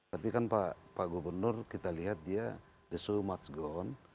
tapi kan pak gubernur kita lihat dia the show must go on